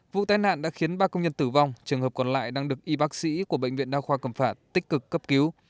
vụ tai nạn đã khiến ba công nhân tử vong trường hợp còn lại đang được y bác sĩ của bệnh viện đa khoa cầm phạt tích cực cấp cứu